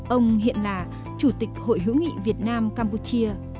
ông hiện là chủ tịch hội hữu nghị việt nam campuchia